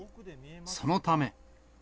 そのため。